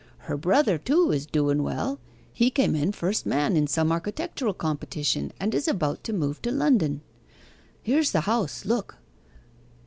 Her brother, too, is doen well. He came in first man in some architectural competition, and is about to move to London. Here's the house, look.